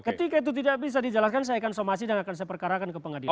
ketika itu tidak bisa dijelaskan saya akan somasi dan akan saya perkarakan ke pengadilan